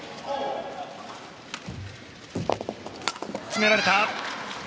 詰められた！